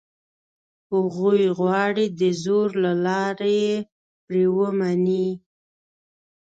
هغوی غواړي دزور له لاري یې پرې ومني.